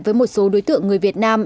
với một số đối tượng người việt nam